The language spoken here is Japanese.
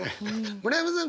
村山さん